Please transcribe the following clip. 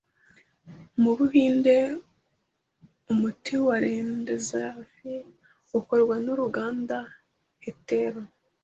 Mu Buhinde umuti wa remdesivir ukorwa n'uruganda Hetero